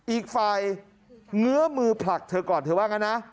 อีกฝ่ายเงื้อมือผลักเธอก่อนเธอว่างั้นนะ